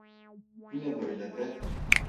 Bu ne böyle be?